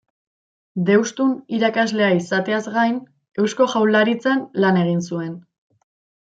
Deustun irakaslea izateaz gain, Eusko Jaurlaritzan lan egin zuen.